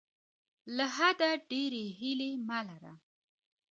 له حده ډیرې هیلې مه لره.